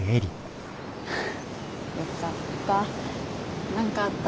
よかった。